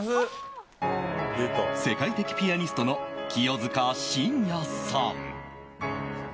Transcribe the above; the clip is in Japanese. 世界的ピアニストの清塚信也さん。